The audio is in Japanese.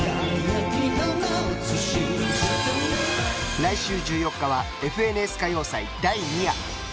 来週１４日は「ＦＮＳ歌謡祭第２夜」